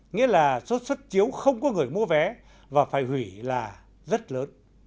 nghĩa là xuất chiếu không có người mua vé và phải hủy là rất lớn